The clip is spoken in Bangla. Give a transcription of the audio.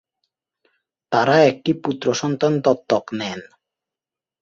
তারা একটি পুত্র সন্তান দত্তক নেন।